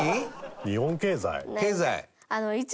日本経済？